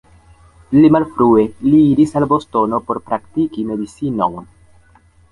Pli malfrue li iris al Bostono por praktiki medicinon.